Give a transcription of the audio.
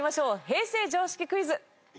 平成常識クイズ。